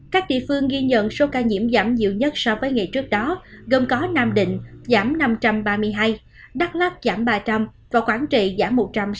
các địa phương ghi nhận số ca nhiễm giảm nhiều nhất so với ngày trước đó gồm có nam định giảm năm trăm ba mươi hai đắk lắc giảm ba trăm linh và quảng trị giảm một trăm hai mươi